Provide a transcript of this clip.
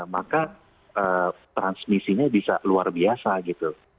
maka transmisinya bisa luar biasa gitu